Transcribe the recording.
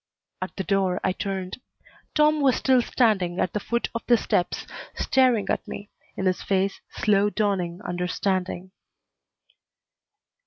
At the door I turned. Tom was still standing at the foot of the steps, staring at me, in his face slow dawning understanding.